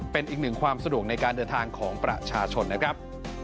เป็นอีกหนึ่งความสะดวกในการเดินทางของประชาชนนะครับ